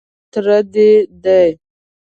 _تره دې دی.